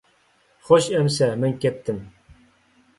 خوش ئەمىسە، مەن كەتتىم!